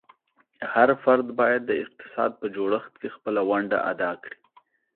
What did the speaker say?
هر فرد باید د اقتصاد په جوړښت کې خپله ونډه ادا کړي.